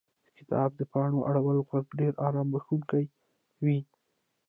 • د کتاب د پاڼو اړولو ږغ ډېر آرام بښونکی وي.